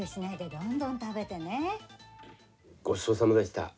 ごちそうさまでした。